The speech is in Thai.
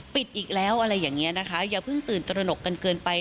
อีกแล้วอะไรอย่างนี้นะคะอย่าเพิ่งตื่นตระหนกกันเกินไป